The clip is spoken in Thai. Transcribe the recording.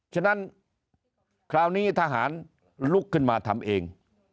ฉะนั้นคราวนี้ทหารลุกขึ้นมาทำเอง